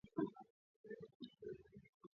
Misimu yote ya mwaka ugonjwa wa homa ya mapafu hutokea